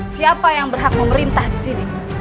siapa yang berhak memerintah disini